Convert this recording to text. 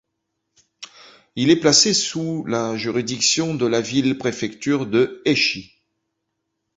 Il est placé sous la juridiction de la ville-préfecture de Hechi.